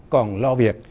còn lo việc